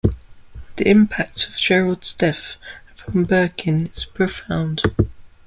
The impact of Gerald's death upon Birkin is profound.